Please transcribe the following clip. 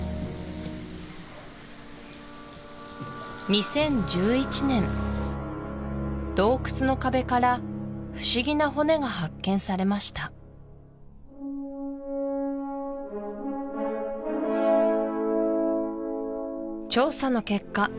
２０１１年洞窟の壁から不思議な骨が発見されました調査の結果